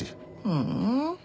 ふん。